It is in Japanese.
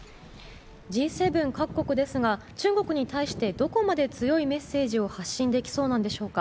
Ｇ７各国ですが中国に対してどこまで強いメッセージを発信できそうなんでしょうか？